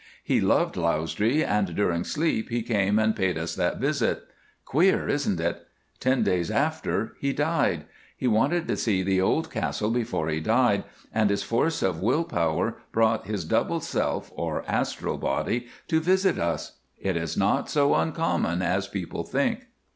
He loved Lausdree, and during sleep he came and paid us that visit. Queer, isn't it? Ten days after, he died. He wanted to see the old castle before he died, and his force of will power brought his double self, or astral body, to visit us. It is not so uncommon as people think.